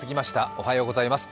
おはようございます。